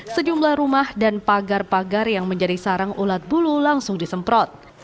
sejumlah rumah dan pagar pagar yang menjadi sarang ulat bulu langsung disemprot